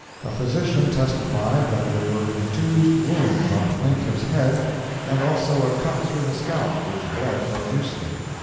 A physician testified that there were contused wounds on plaintiff's head, and also a cut through the scalp, which bled profusely.